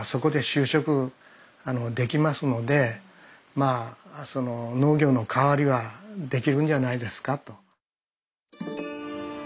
まあ農業の代わりはできるんじゃないですかと。